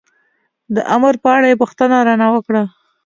د امر په اړه یې پوښتنه را نه وکړه.